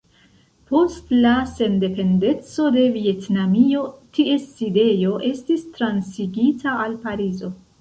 Post la sendependeco de Vjetnamio, ties sidejo estis transigita al Parizo.